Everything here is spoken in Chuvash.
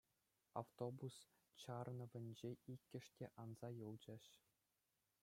Автобус чарӑнӑвӗнче иккӗш те анса юлчӗҫ.